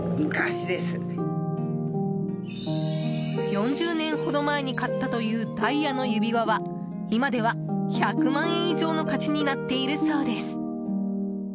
４０年ほど前に買ったというダイヤの指輪は今では１００万円以上の価値になっているそうです。